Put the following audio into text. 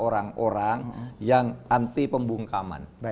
orang orang yang anti pembungkaman